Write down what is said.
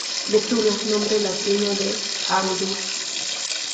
Betula: nombre latino del abedul.